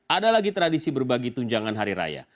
ada lagi tradisi berbagi tunjangan hari raya